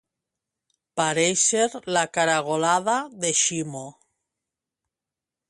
Parèixer la caragolada de Ximo.